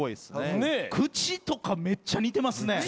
口とかめっちゃ似てますね。